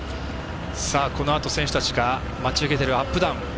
このあと選手たちが待ち受けているアップダウン。